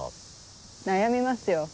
悩みますよ。